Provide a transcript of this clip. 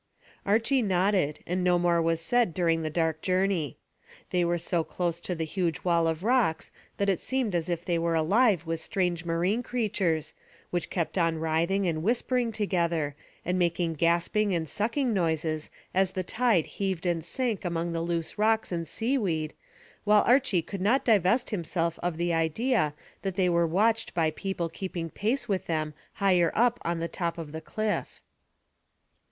Archy nodded, and no more was said during the dark journey. They were so close to the huge wall of rocks that it seemed as if they were alive with strange marine creatures, which kept on writhing and whispering together, and making gasping and sucking noises, as the tide heaved and sank among the loose rocks and seaweed, while Archy could not divest himself of the idea that they were watched by people keeping pace with them higher up on the top of the cliff.